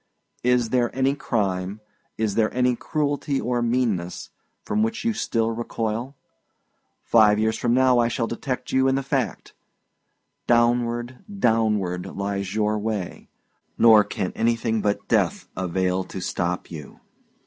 Is there any crime, is there any cruelty or meanness, from which you still recoil? Five years from now I shall detect you in the fact! Downward, downward, lies your way; nor can anything but death avail to stop you."